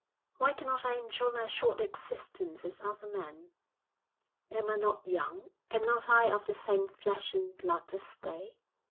Why cannot I enjoy my short existence as other men? Am not I young am not I of the same flesh and blood as they?'